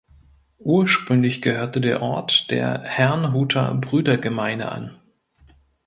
Ursprünglich gehörte der Ort der Herrnhuter Brüdergemeine an.